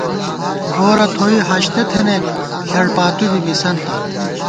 گورہ تھوئی ہاشتہ تھنَئیک ݪڑ پاتُو بی مِسنتہ